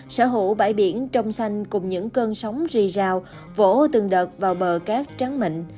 sở hữu bãi biển trong xanh cùng những cơn sóng rì rào vỗ từng đợt vào bờ cát trắng mịn